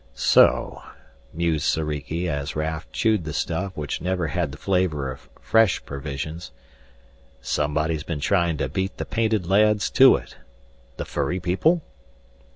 "So," mused Soriki as Raf chewed the stuff which never had the flavor of fresh provisions, "somebody's been trying to beat the painted lads to it. The furry people?"